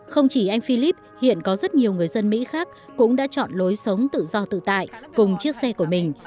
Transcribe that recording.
không chỉ anh philip hiện có rất nhiều người dân mỹ khác cũng đã chọn lối sống tự do tự tại cùng chiếc xe của mình